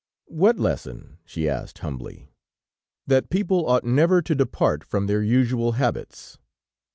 "What lesson?" she asked, humbly. "That people ought never to depart from their usual habits."